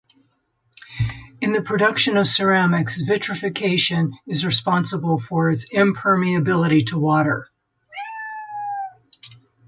In the production of ceramics, vitrification is responsible for its impermeability to water.